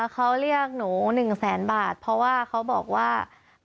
เขาเรียกหนู๑แสนบาทเพราะว่าเขาบอกว่า